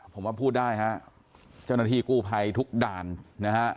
ผมว่าพูดได้ฮะเจ้าหน้าที่กู้ภัยทุกด่านนะฮะ